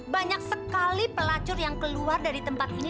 banyak sekali pelacur yang keluar dari tempat ini